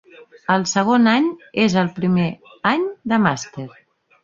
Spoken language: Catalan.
El segon any és el primer any de màster.